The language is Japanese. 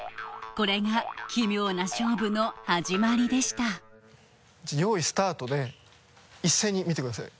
これが奇妙な勝負の始まりでしたよいスタートで一斉に見てください。